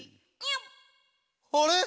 「あれ！